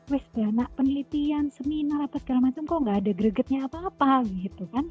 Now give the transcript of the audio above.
west banyak penelitian seminar apa segala macam kok gak ada gregetnya apa apa gitu kan